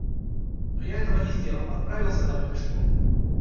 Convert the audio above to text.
Но я этого не сделал, а отправился домой пешком.